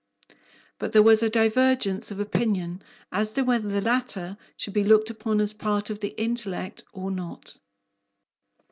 But there was a divergence of opinion as to whether the latter should be looked upon as part of the intellect or not.